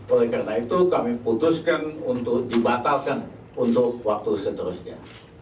oleh karena itu kami putuskan untuk dibatalkan untuk waktu seterusnya